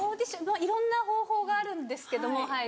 いろんな方法があるんですけども入る。